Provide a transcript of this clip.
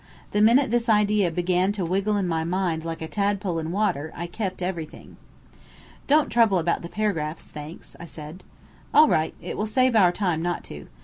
The minute this idea began to wiggle in my mind like a tadpole in water, I kept everything." "Don't trouble about the paragraphs, thanks," I said. "All right. It will save our time not to.